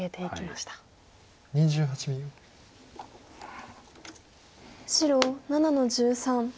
白７の十三ノビ。